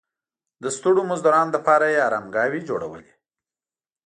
د ستړو مزدورانو لپاره یې ارامګاوې جوړولې.